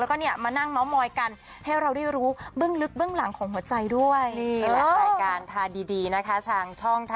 แล้วก็เนี่ยมานั่งเม้ามอยกัน